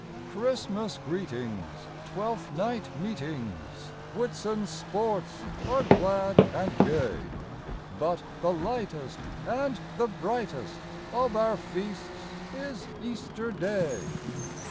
Christmas greetings, Twelfth Night meetings, Whitsun sports are glad and gay ; But the lightest and the brightest Of our feasts is Easter Day.